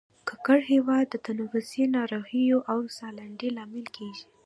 ککړه هوا د تنفسي ناروغیو او سالنډۍ لامل کیږي